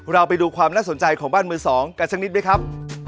เราไปดูความน่าสนใจของบ้านมือสองกันสักนิดไหมครับ